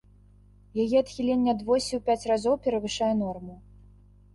Яе адхіленне ад восі ў пяць разоў перавышае норму.